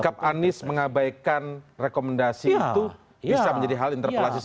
sikap anies mengabaikan rekomendasi itu bisa menjadi hal interpelasi saja